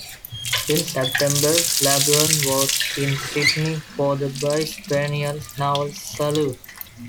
In September, "Labuan" was in Sydney for the Bicentennial Naval Salute.